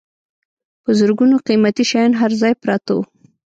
په زرګونو قیمتي شیان هر ځای پراته وو.